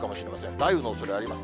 雷雨のおそれあります。